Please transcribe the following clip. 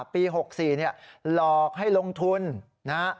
ปี๖๔เนี่ยหลอกให้ลงทุนนะ